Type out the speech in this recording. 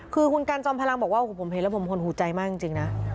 คือคุณกันจอมพลังบอกว่าโอ้โหผมเห็นแล้วผมหดหูใจมากจริงนะ